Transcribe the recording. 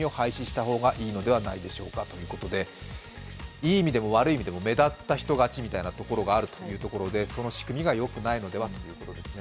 いい意味でも、悪い意味でも目立った人勝ちの仕組みがあるので、その仕組みが、よくないのではということですね。